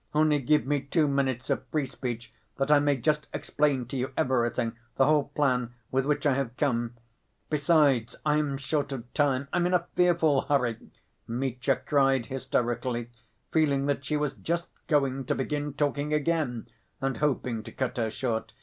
Only give me two minutes of free speech that I may just explain to you everything, the whole plan with which I have come. Besides, I am short of time. I'm in a fearful hurry," Mitya cried hysterically, feeling that she was just going to begin talking again, and hoping to cut her short.